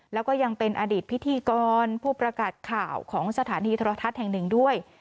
แล้วก็ยังเป็นอดีตพิธีกรผู้ประกาศข่าวของสถานีโทรทัศน์แห่งหนึ่งด้วย